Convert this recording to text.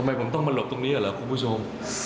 คุณผู้ชมต้องมาหลบตรงนี้เหรอครับคุณผู้ชม